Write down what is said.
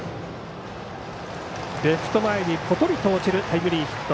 レフト前にぽとりと落ちるタイムリーヒット。